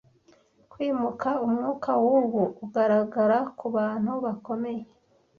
Kwimuka, umwuka wubu, ugaragara kubantu bakomeye;